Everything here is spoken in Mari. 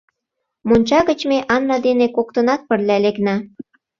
Монча гыч ме Анна дене коктынат пырля лекна.